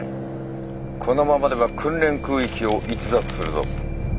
このままでは訓練空域を逸脱するぞ。